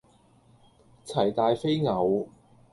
齊大非偶